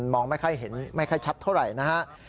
มองไม่ค่อยเห็นไม่ค่อยชัดเท่าไหร่นะฮะ